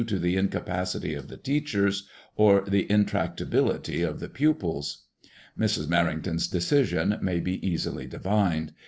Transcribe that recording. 33 to the incapacity of the teachers or the intractability of the pupils. Mrs. Menington's decision may be easily divined.